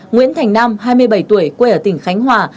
nguyễn thành nam hai mươi bảy tuổi quê ở tỉnh khánh hòa